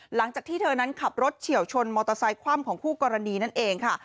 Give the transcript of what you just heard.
หลังจากที่เธอนั้นขับรถเฉียวชนมอเตอร์ไซคว่ำของคู่กรณีนั่นเองค่ะ